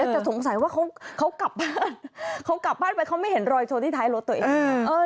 แต่สงสัยว่าเขากลับบ้านไปเขาไม่เห็นรอยโชว์ที่ท้ายรถตัวเอง